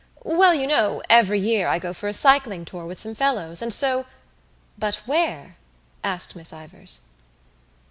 "Well, you know, every year I go for a cycling tour with some fellows and so——" "But where?" asked Miss Ivors.